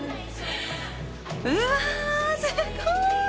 うわあ、すごい！